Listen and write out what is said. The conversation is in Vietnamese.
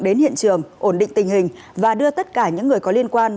đến hiện trường ổn định tình hình và đưa tất cả những người có liên quan